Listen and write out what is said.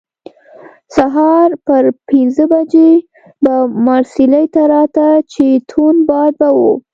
سهار پر پنځه بجې به مارسیلي ته راته، چې توند باد به وو.